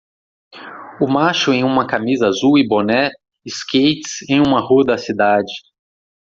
O macho em uma camisa azul e boné skates em uma rua da cidade.